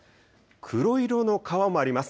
黒色の川もあります。